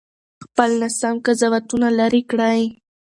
خپل ناسم قضاوتونه لرې کړئ.